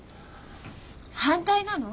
反対なの？